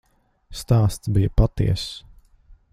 Stāsts bija patiess.